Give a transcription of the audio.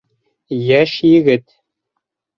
Йәш егет.